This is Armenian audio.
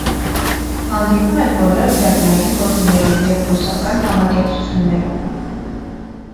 Հանդիպում են բոլոր լեռնային գոտիներում և բուսական համակեցություններում։